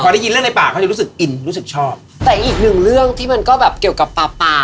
พอได้ยินเรื่องในป่าเขาจะรู้สึกอินรู้สึกชอบแต่อีกหนึ่งเรื่องที่มันก็แบบเกี่ยวกับปลาปลา